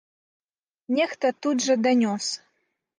Нехта тут жа данёс.